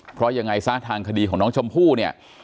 เพราะยังไงซะทางคดีของน้องชมพู่เนี่ย